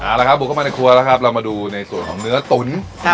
เอาละครับบุกเข้ามาในครัวแล้วครับเรามาดูในส่วนของเนื้อตุ๋น